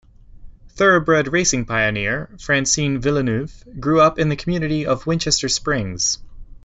Thoroughbred racing pioneer Francine Villeneuve, grew up in the community of Winchester Springs.